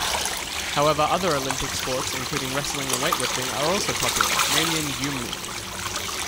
However, other Olympic sports including wrestling and weightlifting are also popular, mainly in Gyumri.